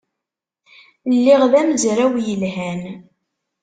Lliɣ d amezraw yelhan.